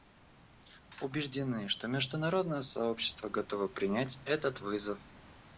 Убеждены, что международное сообщество готово принять этот вызов.